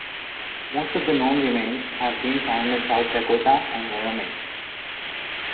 Most of the known remains have been found in South Dakota and Wyoming.